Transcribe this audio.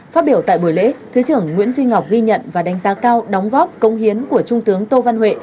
phát biểu tại buổi lễ thứ trưởng nguyễn duy ngọc ghi nhận và đánh giá cao đóng góp công hiến của trung tướng tô văn huệ